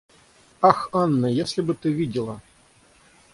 Ах, Анна, если бы ты видела!